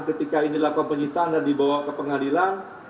ketika ini dilakukan penyitaan dan dibawa ke pengadilan